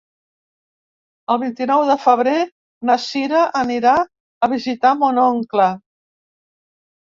El vint-i-nou de febrer na Sira anirà a visitar mon oncle.